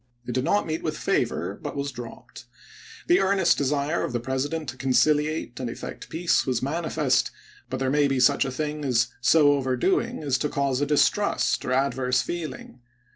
It did not meet with favor, but was dropped. The earnest desire of the President to conciliate and effect peace was manifest, but there may be such a thing as so overdoing as to cause a distrust or adverse feeling.